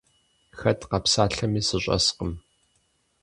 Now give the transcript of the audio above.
Хэт къэпсалъэми сыщӀэскъым.